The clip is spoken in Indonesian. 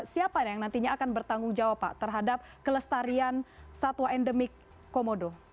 siapa yang nantinya akan bertanggung jawab pak terhadap kelestarian satwa endemik komodo